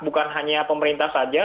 bukan hanya pemerintah saja